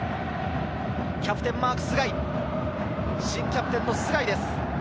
キャプテンマーク・須貝、新キャプテンの須貝です。